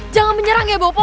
jangan menyerang ya bopo